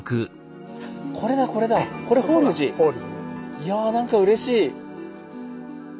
いや何かうれしい。